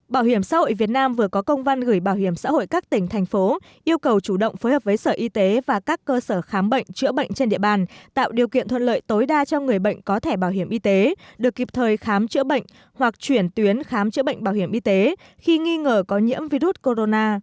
bảo hiểm xã hội việt nam vừa có công văn gửi bảo hiểm xã hội các tỉnh thành phố yêu cầu chủ động phối hợp với sở y tế và các cơ sở khám bệnh chữa bệnh trên địa bàn tạo điều kiện thuận lợi tối đa cho người bệnh có thẻ bảo hiểm y tế được kịp thời khám chữa bệnh hoặc chuyển tuyến khám chữa bệnh bảo hiểm y tế khi nghi ngờ có nhiễm virus corona